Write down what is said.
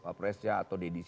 beberapa hal ini ya f logistics